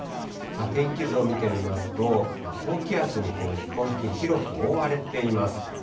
天気図を見てみますと、高気圧に日本付近、広く覆われています。